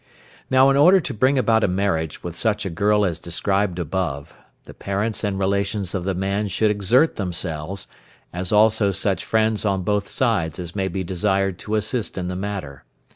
Now in order to bring about a marriage with such a girl as described above, the parents and relations of the man should exert themselves, as also such friends on both sides as may be desired to assist in the matter.